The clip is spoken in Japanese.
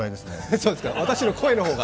そうですか、私の声の方が？